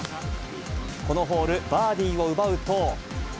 このホール、バーディーを奪うと。